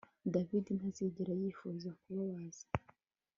David ntazigera yifuza kukubabaza